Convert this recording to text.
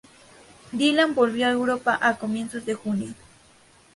Dylan volvió a Europa a comienzos de junio.